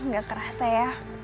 gak kerasa ya